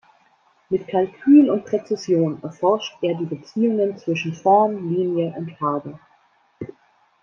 Mit Kalkül und Präzision erforscht er die Beziehungen zwischen Form, Linie und Farbe.